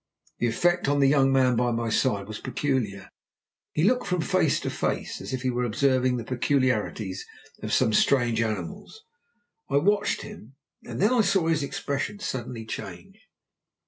The effect on the young man by my side was peculiar. He looked from face to face, as if he were observing the peculiarities of some strange animals. I watched him, and then I saw his expression suddenly change.